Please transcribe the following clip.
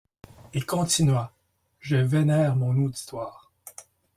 Et continua: — Je vénère mon auditoire.